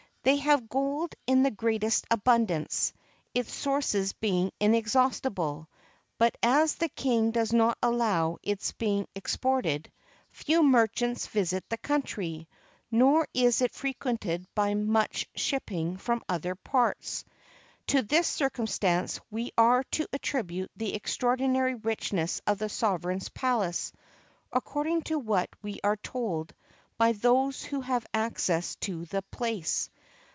They have gold in the greatest abundance, its sources being inexhaustible; but as the king does not allow of its being exported, few merchants visit the country, nor is it frequented by much shipping from other parts. To this circumstance we are to attribute the extraordinary richness of the sovereign's palace, according to what we are told by those who have access to the place.